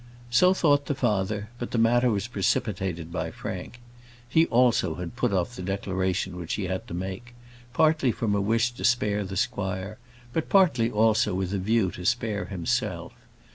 So thought the father, but the matter was precipitated by Frank. He also had put off the declaration which he had to make, partly from a wish to spare the squire, but partly also with a view to spare himself.